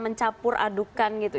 mencapur adukan gitu